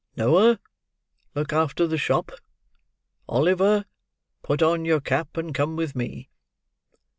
Noah, look after the shop. Oliver, put on your cap, and come with me."